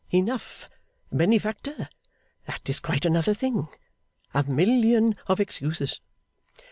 'Enough, Benefactor; that is quite another thing. A million of excuses!